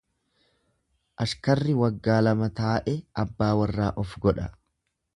Ashkarri waggaa lama taa'e abbaa warraa of godha.